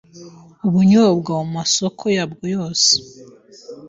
Ubunyobwa mu moko yabwo yose